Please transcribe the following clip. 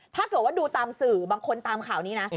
ถ้าเกิดว่าดูตามสื่อบางคนตามข่าวนี้นะ